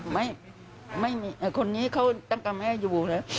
ไม่มีคนนี้เขาตั้งแต่แม่อยู่แล้ว